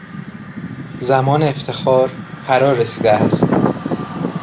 زمان افتخار فرا رسیده است.